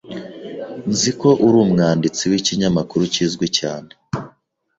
Nzi ko uri umwanditsi w'ikinyamakuru kizwi cyane.